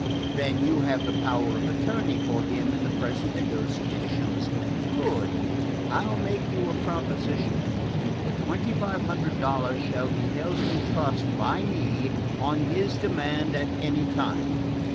"Then you have the power of attorney for him in the present negotiations? Good. I 'll make you a proposition. The twenty five hundred dollars shall be held in trust by me, on his demand at any time.